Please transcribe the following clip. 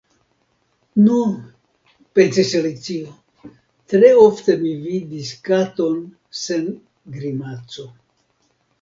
"Nu," pensis Alicio, "tre ofte mi vidis katon sen grimaco.